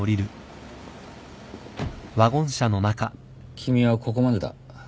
・君はここまでだ。